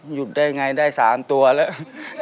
หยุดได้ไงได้๓ตัวแล้ว